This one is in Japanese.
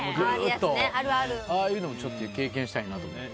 ああいうのも経験したいなと。